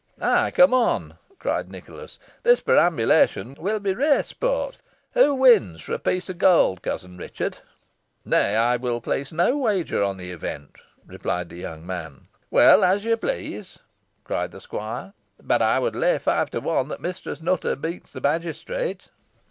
"Ay, come on!" cried Nicholas; "this perambulation will be rare sport. Who wins, for a piece of gold, cousin Richard?" "Nay, I will place no wager on the event," replied the young man. "Well, as you please," cried the squire; "but I would lay five to one that Mistress Nutter beats the magistrate."